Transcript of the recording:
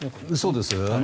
そうです。